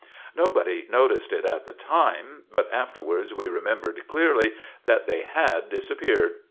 Nobody noticed it at the time, but afterwards we remembered clearly that they had disappeared.